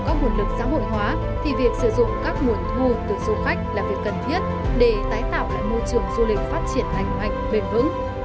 các nguồn lực xã hội hóa thì việc sử dụng các nguồn thu từ du khách là việc cần thiết để tái tạo lại môi trường du lịch phát triển lành mạnh bền vững